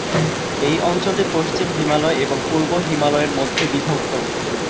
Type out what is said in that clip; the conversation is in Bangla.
এই অঞ্চলটি পশ্চিম হিমালয় এবং পূর্ব হিমালয়ের মধ্যে বিভক্ত।